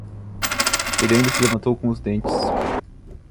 Ela ainda se levantou com os dentes